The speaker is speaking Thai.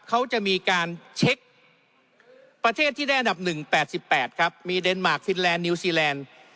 เขาจะมีการเช็คประเทศที่ได้อันดับ๑๘๘ครับมีเดนมาร์คฟินแลนนิวซีแลนด์